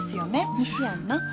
西やんな？